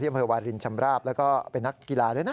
อำเภอวารินชำราบแล้วก็เป็นนักกีฬาด้วยนะ